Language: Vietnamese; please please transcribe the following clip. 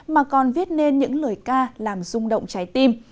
mà còn viết nên những lời ca làm rung động trái tim